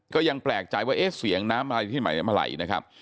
ก็ยังแปลกใจว่าเอ๊ะเสียงน้ำอะไรที่ใหม่เมื่อไหร่นะครับ